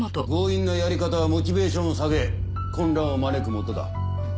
強引なやり方はモチベーションを下げ混乱を招くもとだ。